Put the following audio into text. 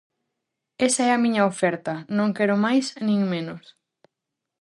Esa é a miña oferta, non quero máis nin menos.